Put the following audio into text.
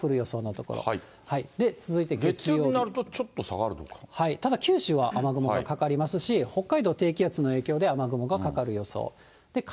月曜日になるとちょっと下がただ九州は雨雲がかかりますし、北海道、低気圧の影響で雨雲がかかる予想。